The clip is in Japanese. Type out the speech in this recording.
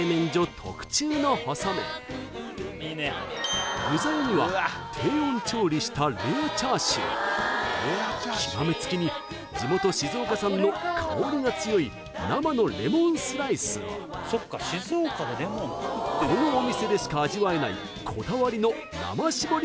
特注の細麺具材には低温調理した極め付きに地元静岡産の香りが強い生のレモンスライスをこのお店でしか味わえないこだわりの生搾り